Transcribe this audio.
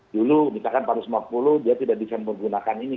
dulu misalkan empat ratus lima puluh dia tidak bisa menggunakan ini